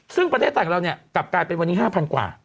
ซึ่งประเทศไทยของเราเนี่ยกลับกลายเป็นวันนี้๕๐๐กว่า